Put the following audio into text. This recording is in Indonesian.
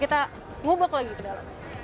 kita ngubek lagi ke dalam